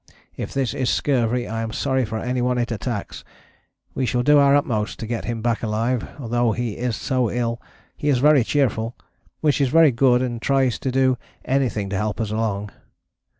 If this is scurvy I am sorry for anyone it attacks. We shall do our utmost to get him back alive, although he is so ill, he is very cheerful, which is very good and tries to do anything to help us along.